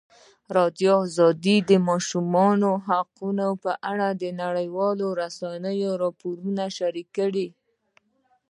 ازادي راډیو د د ماشومانو حقونه په اړه د نړیوالو رسنیو راپورونه شریک کړي.